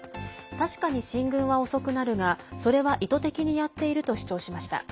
確かに進軍は遅くなるがそれは意図的にやっていると主張しました。